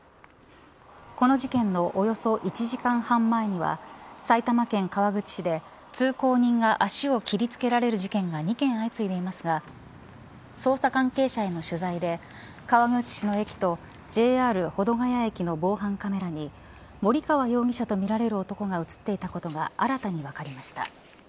この事件のおよそ１時間半前には埼玉県川口市で通行人が脚を切りつけられる事件が２件相次いでいますが捜査関係者への取材で川口市の駅とＪＲ保土ケ谷駅の防犯カメラに森川容疑者とみられる男が映っていたことが新たに分かりました。